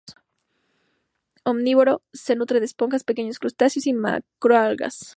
Omnívoro, se nutre de esponjas, pequeños crustáceos y macroalgas.